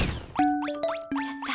やった。